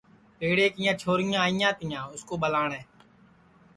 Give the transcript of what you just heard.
پیڑے کیاں چھوریاں آیا تیا اُس کُو ٻلاٹؔے